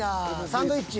サンドイッチ。